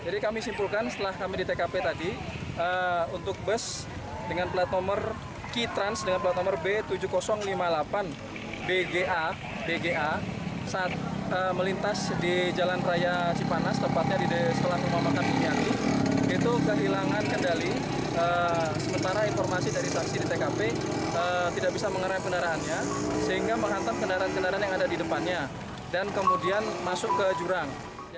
tidak bisa mengarahkan kendaraannya sehingga menghantar kendaraan kendaraan yang ada di depannya dan kemudian masuk ke jurang